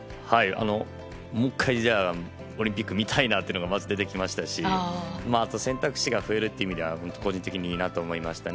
もう１回オリンピック見たいなってのがまず出てきましたし選択肢が増えるというのは個人的にいいなと思いましたね。